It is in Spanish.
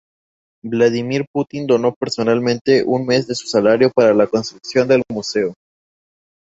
Vladimir Putin donó personalmente un mes de su salario para la construcción del museo.